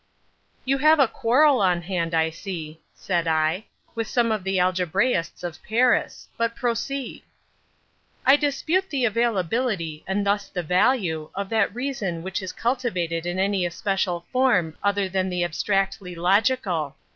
"You have a quarrel on hand, I see," said I, "with some of the algebraists of Paris; but proceed." "I dispute the availability, and thus the value, of that reason which is cultivated in any especial form other than the abstractly logical.